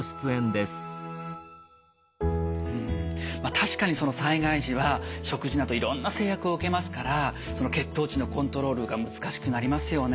確かに災害時は食事などいろんな制約を受けますから血糖値のコントロールが難しくなりますよね。